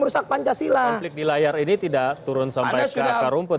konflik di layar ini tidak turun sampai ke akar rumput